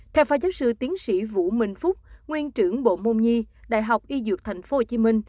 theo phó giáo sư tiến sĩ vũ minh phúc nguyên trưởng bộ môn nhi đại học y dược tp hcm